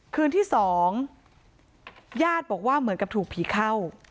คืนที่๒ญาติบอกว่าเหมือนกับถูกผีเข้า